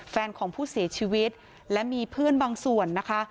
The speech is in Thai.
แฟนของผู้เสียชีวิตและมีเพื่อนบางส่วนนะคะ